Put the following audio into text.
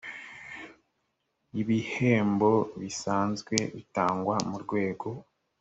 y ibihembo bisanzwe bitangwa mu rwego